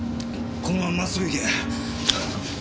このまま真っ直ぐ行け。